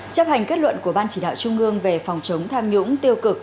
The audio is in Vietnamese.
chấp hành kết luận của ban chỉ đạo trung ương về phòng chống tham nhũng tiêu cực